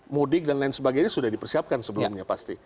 mudik dan lain sebagainya sudah dipersiapkan sebelumnya pasti